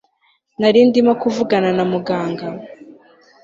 nari ndimo kuvugana na Muganga